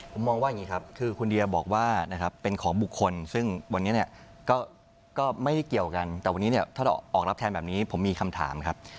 ผมมองว่าอย่างนี้ครับคือคุณเดียบอกว่านะครับเป็นของบุคคลซึ่งวันนี้เนี่ยก็ไม่ได้เกี่ยวกันแต่วันนี้เนี่ยถ้าเราออกรับแทนแบบนี้ผมมีคำถามครับ